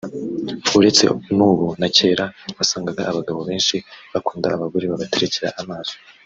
uretse n’ubu na kera wasangaga abagabo benshi bakunda abagore babaterekera amaso